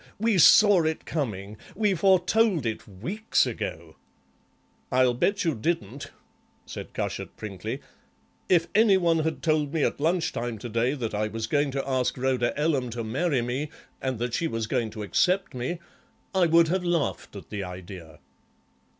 We saw it coming! We foretold it weeks ago!" "I'll bet you didn't," said Cushat Prinkly. "If any one had told me at lunch time to day that I was going to ask Rhoda Ellam to marry me and that she was going to accept me I would have laughed at the idea."